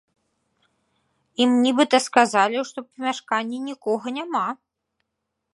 Ім, нібыта, сказалі, што ў памяшканні нікога няма.